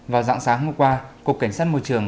vào dạng sáng hôm qua cục cảnh sát môi trường